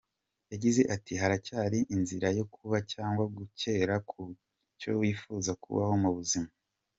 Yagize ati “Haracyari inzira yo kuba cyangwa kugera ku cyo wifuje kubaho mu buzima.